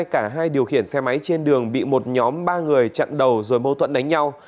cả hai điều khiển xe máy trên đường bị một nhóm ba người chặn đầu rồi mâu thuẫn đánh nhau